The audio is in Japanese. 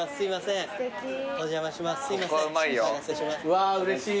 うわーうれしい。